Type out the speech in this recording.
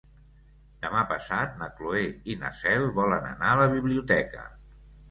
Demà passat na Cloè i na Cel volen anar a la biblioteca.